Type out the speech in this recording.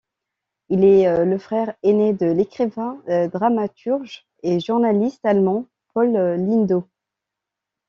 Il est le frère aîné de l'écrivain, dramaturge et journaliste allemand Paul Lindau.